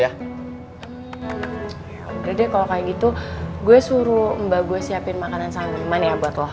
yaudah deh kalau kayak gitu gue suruh mba gue siapin makanan sama cuman ya buat lo